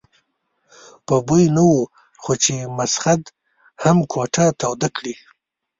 په بوی نه وو خو چې مسخد هم کوټه توده کړي.